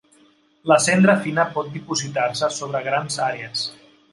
La cendra fina pot dipositar-se sobre grans àrees.